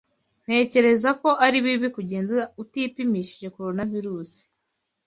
Ntekereza ko ari bibi kugenda utipimishije Coronavirusi